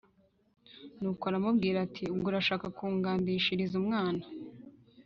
Nuko aramubwira ati: “Ubwo urashaka kungandishiriza umwana;